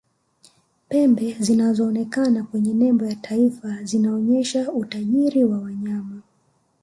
pembe zinazoonekana kwenye nembo ya taifa huonesha utajiri wa wanyama